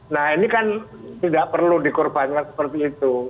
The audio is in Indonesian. nah ini kan tidak perlu dikorbankan seperti itu